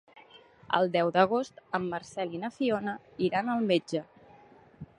El deu d'agost en Marcel i na Fiona iran al metge.